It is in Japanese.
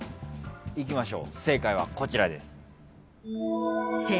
いきましょう正解はこちらです。